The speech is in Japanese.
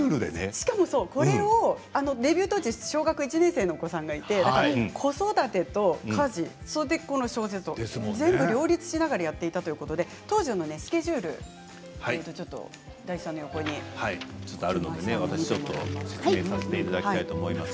しかもデビュー当時小学１年生のお子さんがいて子育てと家事そして小説、全部両立させながらやっていたということで当時のスケジュールがあります。